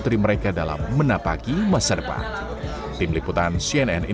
demikian halnya sekolah swasta dengan rakyat